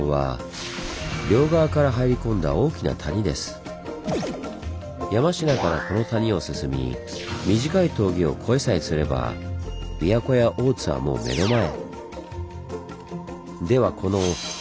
坂峠の特徴は山科からこの谷を進み短い峠を越えさえすれば琵琶湖や大津はもう目の前。